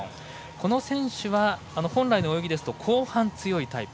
この選手は、本来の泳ぎですと後半強いタイプ。